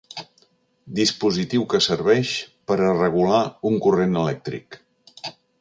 Dispositiu que serveix per a regular un corrent elèctric.